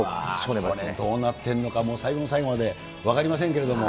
これ、どうなっているのか、最後の最後まで分かりませんけれども。